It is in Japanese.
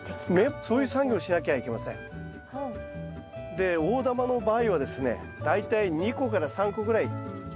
で大玉の場合はですね大体２個から３個ぐらい取ります。